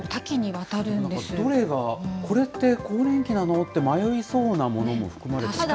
なんかどれが、これって、更年期なの？って迷いそうなものも含まれています。